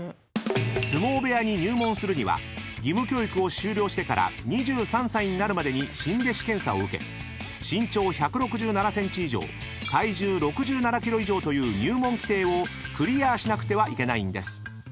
［相撲部屋に入門するには義務教育を終了してから２３歳になるまでに新弟子検査を受け身長１６７ｃｍ以上体重６７ｋｇ以上という入門規定をクリアしなくてはいけないんです］